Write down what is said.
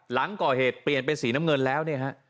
หลังก่อเหตุเปลี่ยนเป็นสีน้ำเงินแล้วเนี่ยฮะ